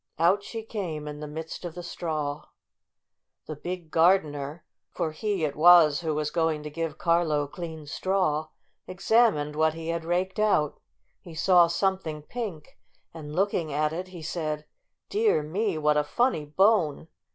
Out she came in the midst of the straw. The big gardener, for he it was who was going to give Carlo clean straw, examined what he had raked out. He saw something pink, and, looking at it, he said : "Dear me, what a funny bone!